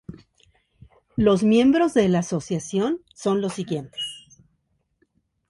Los miembros de la asociación son los siguientes